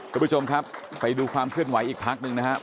คุณผู้ชมครับไปดูความเคลื่อนไหวอีกพักหนึ่งนะครับ